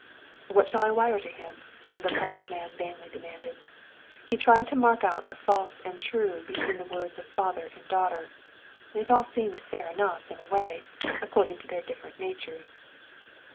"What shall I wire to him?" the puzzled man vainly demanded. He tried to mark out the false and true between the words of father and daughter. It all seemed fair enough in a way, according to their different natures.